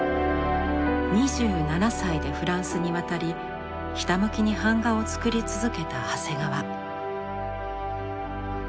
２７歳でフランスに渡りひたむきに版画を作り続けた長谷川。